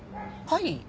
はい。